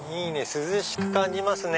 涼しく感じますね。